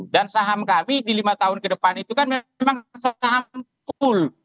dan saham kami di lima tahun ke depan itu kan memang saham cool